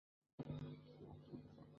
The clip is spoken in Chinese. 蜂蜜的重要产地包括土耳其。